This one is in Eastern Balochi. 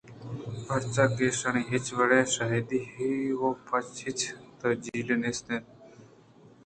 پرچا کہ ایشانی ہچ وڑیں شاہدی ءُہچ توجیلے نیست اِنت